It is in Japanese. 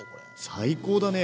最高だね！